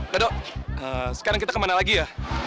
gadok sekarang kita kemana lagi ya